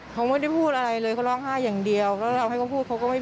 แต่ว่าแม่ธรรมกันเฐียงกัน